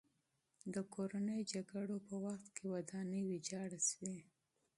د کورنیو جګړو په وخت کې ودانۍ ویجاړه شوې.